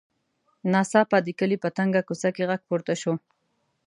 ناڅاپه د کلي په تنګه کوڅه کې غږ پورته شو.